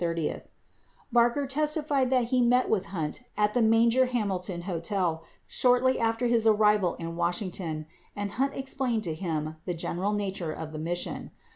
28 Barker testified that he met with Hunt at the Manger Hamilton Hotel shortly after his arrival in Washington and Hunt explained to him the general nature of the mission.